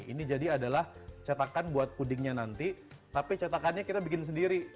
ini jadi adalah cetakan buat pudingnya nanti tapi cetakannya kita bikin sendiri